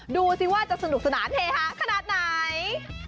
ดูสิว่าจะสนุกสนานเฮฮาขนาดไหน